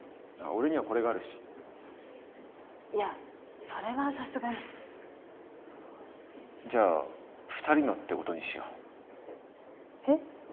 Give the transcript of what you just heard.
俺にはこれがあるしいやそれはさすがにじゃあ二人のってことにしようえっ？